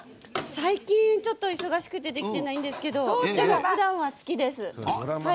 最近ちょっと忙しくてできてないんですけどでも、ふだんは好きです。